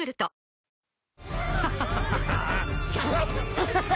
ハハハハ。